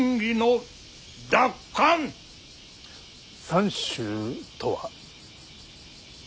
三種とは？